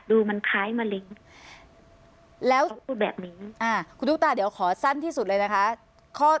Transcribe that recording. ดูมันคล้ายมะเร็งแล้วพูดแบบนี้คุณตุ๊กตาเดี๋ยวขอสั้นที่สุดเลยนะคะ